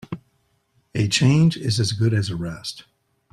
A change is as good as a rest.